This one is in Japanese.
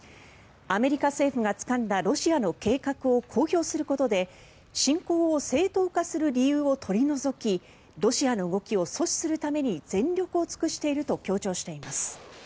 アメリカ政府がつかんだロシアの計画を公表することで侵攻を正当化する理由を取り除きロシアの動きを阻止するために全力を尽くしていると強調しています。